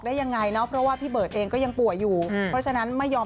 ได้ยังไงเนาะเพราะว่าพี่เบิร์ตเองก็ยังป่วยอยู่เพราะฉะนั้นไม่ยอม